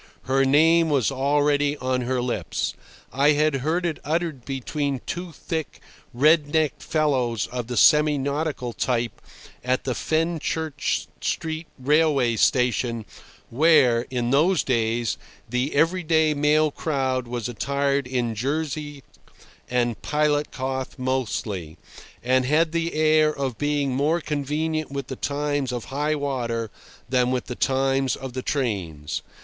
Her name was already on their lips. I had heard it uttered between two thick, red necked fellows of the semi nautical type at the Fenchurch Street Railway station, where, in those days, the everyday male crowd was attired in jerseys and pilot cloth mostly, and had the air of being more conversant with the times of high water than with the times of the trains.